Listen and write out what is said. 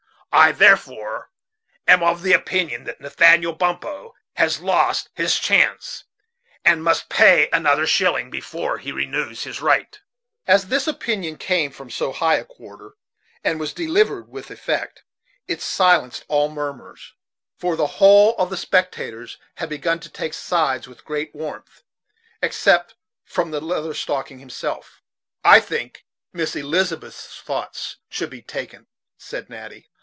I therefore am of the opinion that Nathaniel Bumppo has lost his chance, and must pay another shilling before he renews his right." As this opinion came from so high a quarter, and was delivered with effect, it silenced all murmurs for the whole of the spectators had begun to take sides with great warmth except from the Leather Stocking himself. "I think Miss Elizabeth's thoughts should be taken," said Natty.